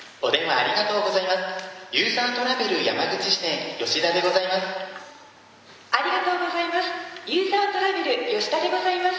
ありがとうございます。